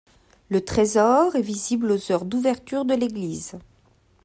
Le trésor est visible aux heures d'ouverture de l'église.